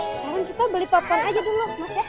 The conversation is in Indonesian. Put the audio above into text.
sekarang kita beli papan aja dulu mas ya